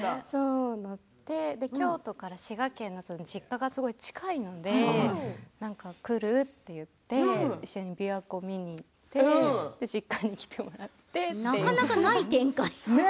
京都から滋賀県の実家がすごく近いので来る？って聞いて一緒に琵琶湖を見に行ってなかなかない展開ですね。